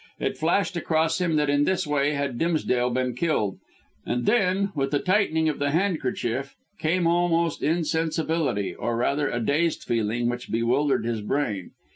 It flashed across him that in this way had Dimsdale been killed, and then, with the tightening of the handkerchief, came almost insensibility, or, rather, a dazed feeling, which bewildered his brain.